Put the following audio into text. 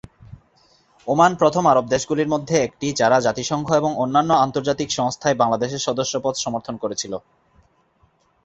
Oman প্রথম আরব দেশগুলির মধ্যে একটি যারা জাতিসংঘ এবং অন্যান্য আন্তর্জাতিক সংস্থায় বাংলাদেশের সদস্যপদ সমর্থন করেছিল।